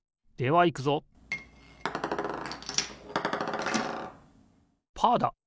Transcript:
ではいくぞパーだ！